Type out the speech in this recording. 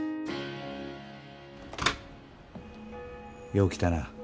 よう来たな。